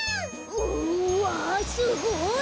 うわすごい！